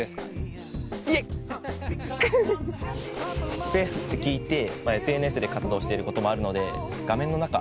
スペースって聞いてＳＮＳで活動していることもあるので。